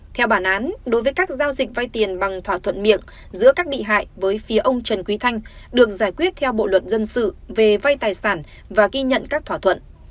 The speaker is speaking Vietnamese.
theo bản án đối với các giao dịch vay tiền bằng thỏa thuận miệng giữa các bị hại với phía ông trần quý thanh được giải quyết theo bộ luật dân sự về vay tài sản và ghi nhận các thỏa thuận